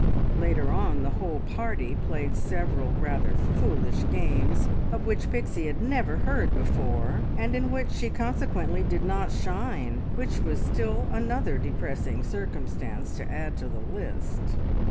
Later on the whole party played several rather foolish games, of which Pixie had never heard before, and in which she consequently did not shine, which was still another depressing circumstance to add to the list.